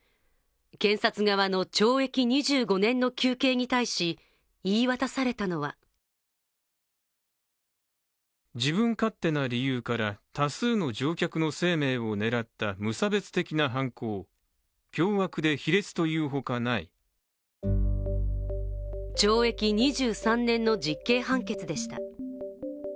検察側の懲役２５年の求刑に対し言い渡されたのは懲役２３年の実刑判決でした。